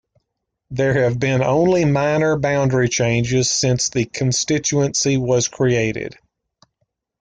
There have been only minor boundary changes since the constituency was created.